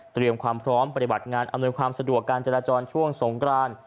เตรียมพนธ์ตำรวจสะดวกช่วงสงกราญ